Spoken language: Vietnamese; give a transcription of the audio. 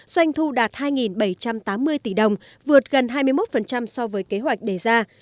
doanh thu đạt hai bảy trăm tám mươi tỷ đồng vượt gần hai mươi một so với kế hoạch đề ra